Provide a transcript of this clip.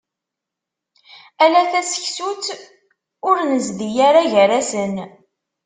Ala taseksut i ur nezdi ara gar-asen.